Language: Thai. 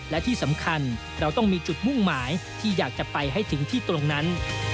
และที่สำคัญเราต้องมีจุดมุ่งหมายที่อยากจะไปให้ถึงที่ตรงนั้น